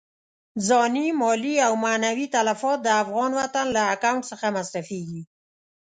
ځاني، مالي او معنوي تلفات د افغان وطن له اکاونټ څخه مصرفېږي.